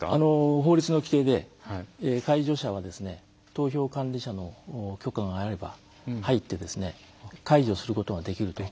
法律の規定で、介助者は投票管理者の許可があれば入って介助することができると。